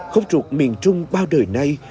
khúc trục miền trung bao đời này